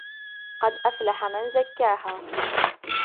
قد أفلح من زكاها